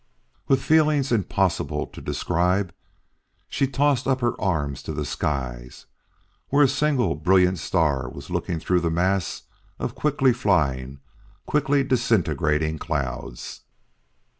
With feelings impossible to describe, she tossed up her arms to the skies, where a single brilliant star was looking through the mass of quickly flying, quickly disintegrating clouds.